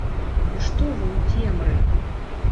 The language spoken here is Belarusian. Ды што вы ў цемры?